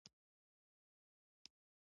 افغانستان د زمرد په اړه علمي څېړنې لري.